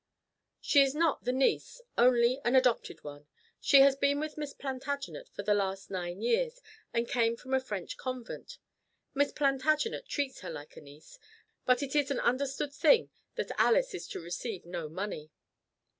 "She is not the niece only an adopted one. She has been with Miss Plantagenet for the last nine years, and came from a French convent. Miss Plantagenet treats her like a niece, but it is an understood thing that Alice is to receive no money."